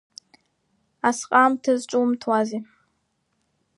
Асҟаамҭа зҿумҭуазеи?